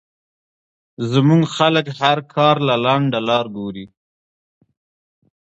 زمونږ خلک هر کار له لنډه لار ګوري